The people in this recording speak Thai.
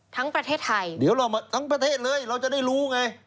ทั้งประเทศไทยเดี๋ยวเรามาทั้งประเทศเลยเราจะได้รู้ไง